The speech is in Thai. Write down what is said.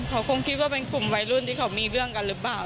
เขาคงคิดว่าเป็นกลุ่มวัยรุ่นที่เขามีเรื่องกันหรือเปล่า